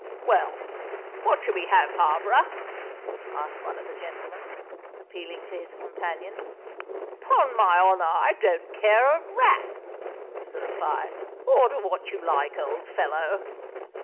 "Well, what shall we have, Harborough?" asked one of the gentlemen, appealing to his companion. "'Pon my honour, I don't care a rap," was the reply. "Order what you like, old fellow."